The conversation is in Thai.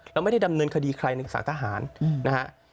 เราไม่ได้ดำเนินคดีใครในสารทหารนะฮะ